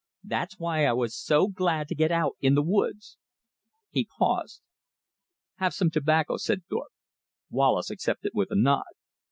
That's why I was so glad to get out in the woods." He paused. "Have some tobacco," said Thorpe. Wallace accepted with a nod.